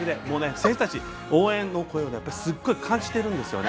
選手たち、応援の声をすごい感じてるんですよね。